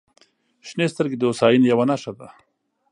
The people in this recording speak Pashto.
• شنې سترګې د هوساینې یوه نښه ده.